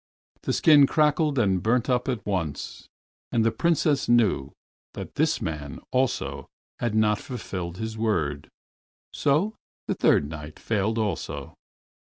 The skin crackled and burnt up at once, and the Princess knew that this man also had not fulfilled his word. So the Third Knight failed also.